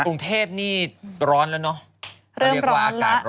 ปรุงเทศนี่ร้อนแล้วนะคะ